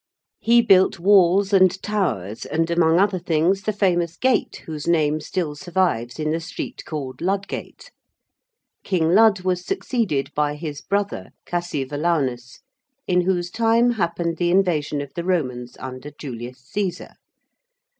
He built walls and towers, and, among other things, the famous gate whose name still survives in the street called Ludgate. King Lud was succeeded by his brother Cassivelaunus, in whose time happened the invasion of the Romans under Julius Cæsar.